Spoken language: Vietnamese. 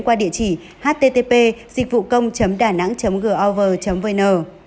qua địa chỉ http dịchvucong danang gov vn